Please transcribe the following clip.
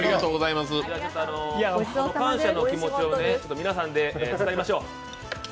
その感謝の気持ちを皆さんで伝えましょう。